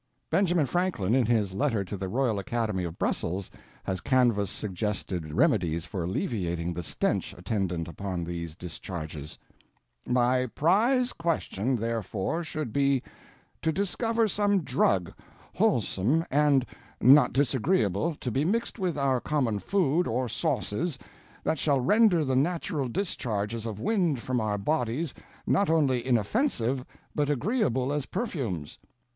Benjamin Franklin, in his "Letter to the Royal Academy of Brussels" has canvassed suggested remedies for alleviating the stench attendant upon these discharges: "My Prize Question therefore should be: To discover some Drug, wholesome and not disagreeable, to be mixed with our common food, or sauces, that shall render the natural discharges of Wind from our Bodies not only inoffensive, but agreeable as Perfumes.